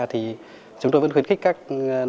thì chúng tôi vẫn khuyến khích các nội dung